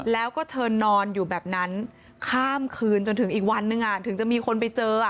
แล้วก็เธอนอนอยู่แบบนั้นข้ามคืนจนถึงอีกวันนึงถึงจะมีคนไปเจอ